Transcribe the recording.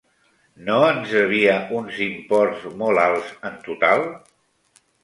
No ens devia uns imports molt alts, en total?